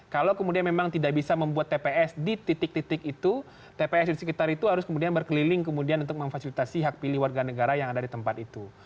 kalau kemudian memang tidak bisa membuat tps di titik titik itu tps di sekitar itu harus kemudian berkeliling kemudian untuk memfasilitasi hak pilih warga negara yang ada di tempat itu